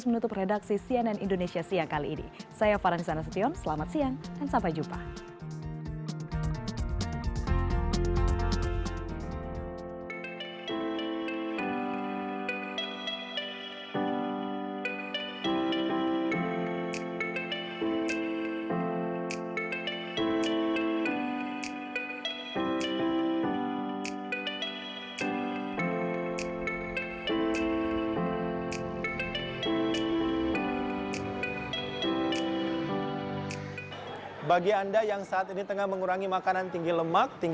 sayuran ternyata masih belum menjadi menu favorit dibanding lauk nasi bahkan cemilan